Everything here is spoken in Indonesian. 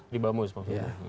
di bamus maksudnya